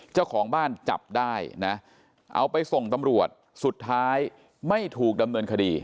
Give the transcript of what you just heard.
เจ้าของบ้านจับได้นะเอาไปส่งตำรวจสุดท้ายไม่ถูกดำเนินคดี